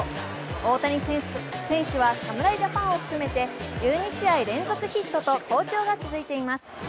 大谷選手は侍ジャパンを含めて１２試合連続ヒットと好調が続いています。